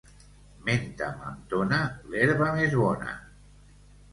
Menta, mentona, l'herba més bona.